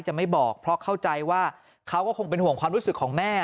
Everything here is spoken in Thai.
จะไม่บอกเพราะเข้าใจว่าเขาก็คงเป็นห่วงความรู้สึกของแม่